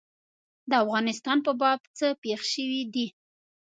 د افغانستان په باب څه پېښ شوي دي.